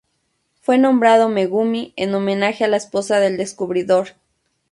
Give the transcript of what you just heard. Fue nombrado Megumi en homenaje a la esposa del descubridor.